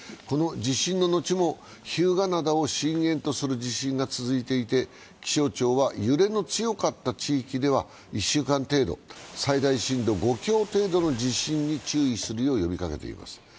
この地震の後も日向灘を震源とする地震が続いていて気象庁は揺れの強かった地域では１週間程度、最大震度５強程度の地震に注意するよう呼びかけています。